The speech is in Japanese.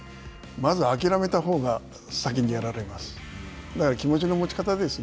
まず諦めたほうが先にやられます。